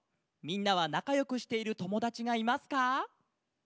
みんなはなかよくしているともだちがいますか？